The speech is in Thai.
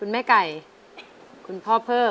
ไม่ท้อ